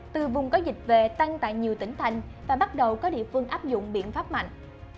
từ vùng có dịch về tăng tại nhiều tỉnh thành và bắt đầu có địa phương áp dụng biện pháp mạnh